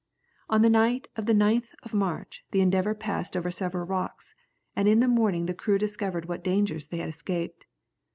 On the night of the 9th of March the Endeavour passed over several rocks, and in the morning the crew discovered what dangers they had escaped.